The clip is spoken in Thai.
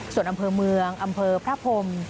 ส่วนอำเภอเมืองอำเภอพระพรม